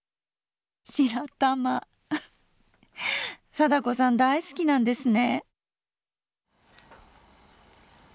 貞子さん大好きなんですね。